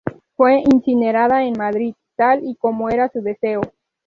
Fue incinerada en Madrid tal y como era su deseo.